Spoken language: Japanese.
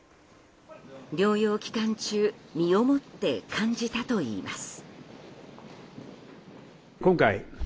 療養期間中身をもって感じたといいます。